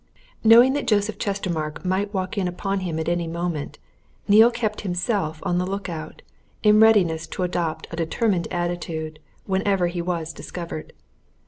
Knowing that Joseph Chestermarke might walk in upon him at any moment, Neale kept himself on the look out, in readiness to adopt a determined attitude whenever he was discovered.